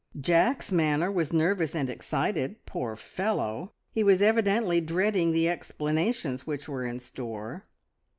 Jack's manner was nervous and excited. Poor fellow! he was evidently dreading the explanations which were in store.